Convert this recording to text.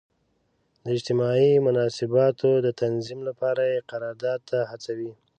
د اجتماعي مناسباتو د تنظیم لپاره یې قرارداد ته هڅوي.